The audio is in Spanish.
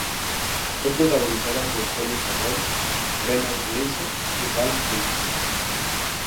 Fue protagonizada por Colin Farrell, Brendan Gleeson y Ralph Fiennes.